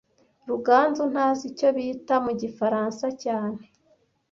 Ruganzu ntazi icyo bita mu gifaransa cyane